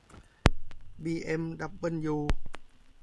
บีเอ็มดับเบิลยู